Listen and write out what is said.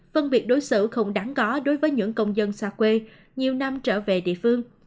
phân biệt đối xử không đáng có đối với những công dân xa quê nhiều năm trở về địa phương